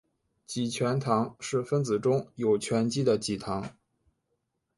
己醛糖是分子中有醛基的己糖。